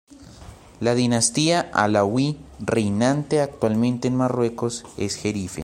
La dinastía alauí reinante actualmente en Marruecos es jerife.